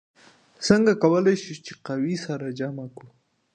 څنګه کولی شو چې قوې سره جمع کړو؟